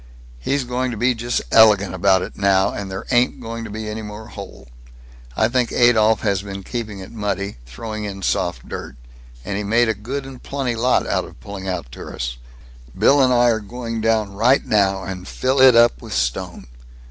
"He's going to be just elegant about it, now, and there ain't going to be any more hole. I think Adolph has been keeping it muddy throwing in soft dirt and he made a good and plenty lot out of pulling out tourists. Bill and I are going down right now and fill it up with stone.